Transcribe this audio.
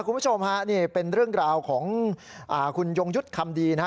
คุณผู้ชมค่ะนี่เป็นเรื่องของอาคุณยมยุตคำดีนะครับ